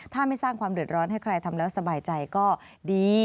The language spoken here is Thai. ถ้าไม่สร้างความเดือดร้อนให้ใครทำแล้วสบายใจก็ดี